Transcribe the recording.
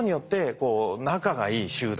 ほう仲がいい集団。